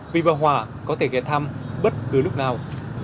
vì bà hỏa có thể ghé thăm bất cứ lúc nào